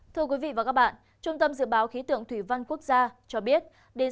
thưa quý vị và các bạn trung tâm dự báo khí tượng thủy văn quốc gia cho biết